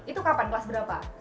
itu kapan kelas berapa